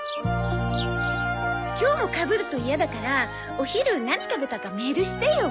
今日もかぶると嫌だからお昼何食べたかメールしてよ。